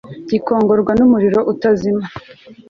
gikongorwa n umuriro utazima